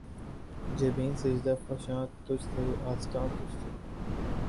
جبینِ سجدہ فشاں تجھ سے‘ آستاں تجھ سے